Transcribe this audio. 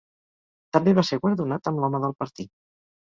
També va ser guardonat amb l'home del partit.